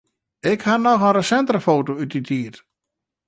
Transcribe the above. Ik haw noch in resintere foto út dy tiid.